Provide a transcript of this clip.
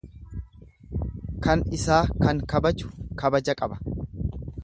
Kan isaa kan kabaju kabaja qaba.